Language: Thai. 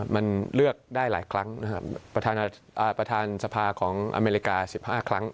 มันเลือกได้หลายครั้งนะครับประธานสภาของอเมริกา๑๕ครั้ง